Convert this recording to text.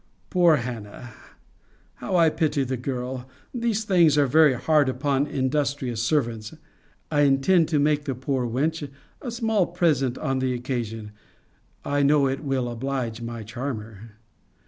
Poor Hannah! How I pity the girl! These things are very hard upon industrious servants! I intend to make the poor wench a small present on the occasion I know it will oblige my charmer.